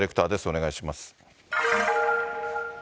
お願いします。